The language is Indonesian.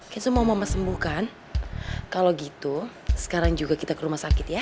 kenzo mau mama sembuh kan kalau gitu sekarang juga kita ke rumah sakit ya